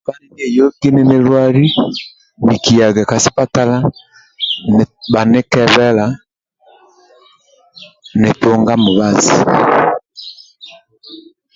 Kabha ninieyoki ninilwali nikiyaga ka sipatala bhanikebela nitunga mubazi